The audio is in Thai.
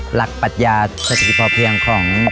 หลักปรัชญาสถิกภาพเพียงของ